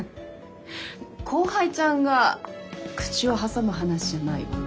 後輩ちゃんが口を挟む話じゃないわ。